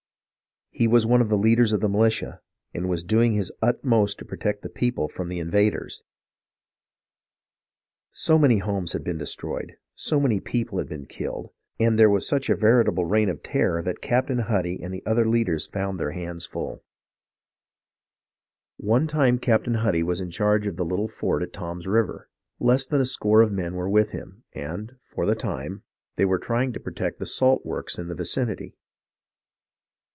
He was one of the leaders of the militia, and was doing his utmost to protect the people from the invaders. So many homes had been destroyed, so many people had been killed, and there was such a veritable reign of terror that Captain Huddy and the other leaders found their hands full. 2/8 HISTORY OF THE AMERICAN REVOLUTION One time Captain Huddy was in charge of the little fort at Tom's River. Less than a score of men were with him, and, for the time, they were trying to protect the salt works in the vicinity.